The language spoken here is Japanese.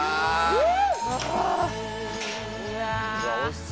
えっ！